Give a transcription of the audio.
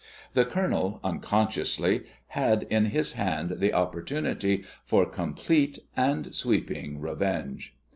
The Colonel, unconsciously, had in his hand the opportunity for complete and sweeping revenge.